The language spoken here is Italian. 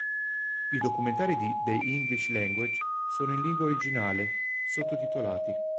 I documentari di "The English Language" sono in lingua originale, sottotitolati.